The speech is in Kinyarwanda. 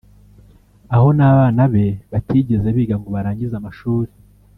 aho n’abana be batigeze biga ngo barangize amashuri